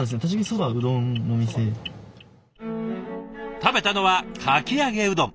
食べたのはかき揚げうどん。